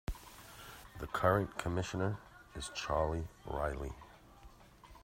The current commissioner is Charlie Riley.